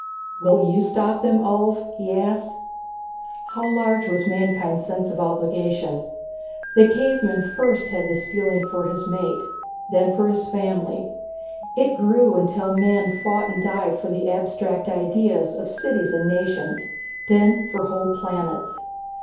"Will you stop them, Ulv?" he asked. How large was mankind's sense of obligation? The caveman first had this feeling for his mate, then for his family. It grew until men fought and died for the abstract ideas of cities and nations, then for whole planets.